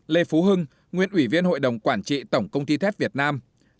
một lê phú hưng nguyễn ủy viên hội đồng quản trị tổng công ty thép việt nam